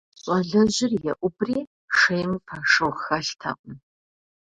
Щӏалэжьыр еӏубри, - шейм фошыгъу хэлътэкъым.